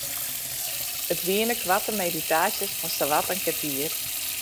It wiene koarte meditaasjes fan sawat in kertier.